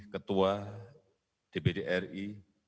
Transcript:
ketua dpd ri